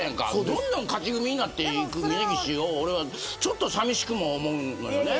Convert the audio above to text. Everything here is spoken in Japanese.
どんどん勝ち組になっていく峯岸をちょっとさみしくも思うのよね。